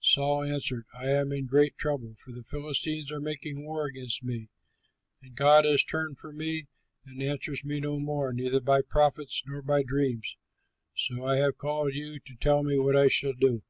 Saul answered, "I am in great trouble, for the Philistines are making war against me, and God has turned from me and answers me no more, neither by prophets nor by dreams. So I have called you to tell me what I shall do."